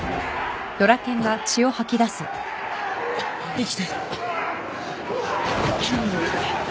生きてる。